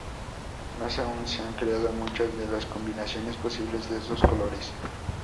Más aún, se han creado muchas de las combinaciones posibles de esos colores.